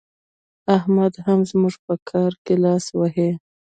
احمد هم زموږ په کار کې لاس وهي.